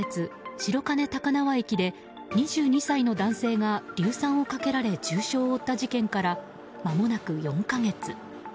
白金高輪駅で２２歳の男性が硫酸をかけられ重傷を負った事件からまもなく４か月。